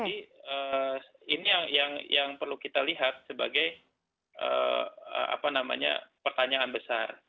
jadi ini yang perlu kita lihat sebagai pertanyaan besar